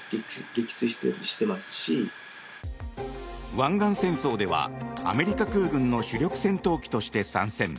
湾岸戦争ではアメリカ空軍の主力戦闘機として参戦。